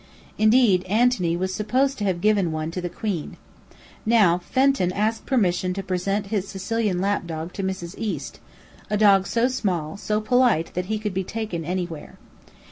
Indeed, Antony was supposed to have given one to the Queen. Now, Fenton asked permission to present a Sicilian lap dog to Mrs. East, a dog so small, so polite, that he could be taken anywhere.